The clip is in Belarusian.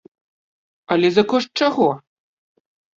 Але за кошт чаго?